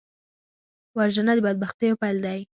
وژنه د بدبختیو پیل دی